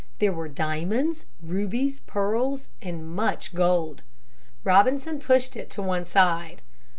There were diamonds, rubies, pearls, and much gold. Robinson pushed it to one side.